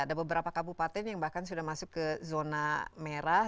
ada beberapa kabupaten yang bahkan sudah masuk ke zona merah